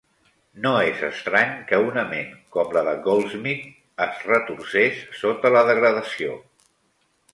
No és estrany que una ment com la de Goldsmith es retorcés sota la degradació.